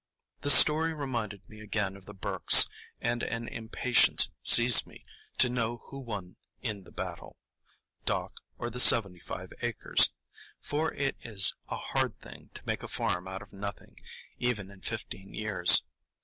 The story reminded me again of the Burkes, and an impatience seized me to know who won in the battle, Doc or the seventy five acres. For it is a hard thing to make a farm out of nothing, even in fifteen years.